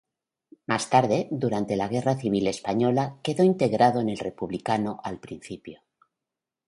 Más tarde, durante la Guerra Civil Española quedó integrado en el republicano al principio.